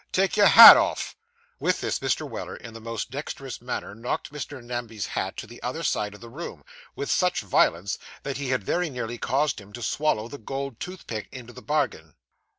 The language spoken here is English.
Take your hat off.' With this, Mr. Weller, in the most dexterous manner, knocked Mr. Namby's hat to the other side of the room, with such violence, that he had very nearly caused him to swallow the gold toothpick into the bargain.